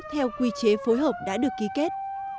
theo quy chế phối hợp đã được ký kết